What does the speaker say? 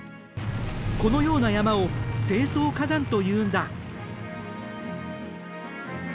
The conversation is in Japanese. このような山を成層火山というんだ。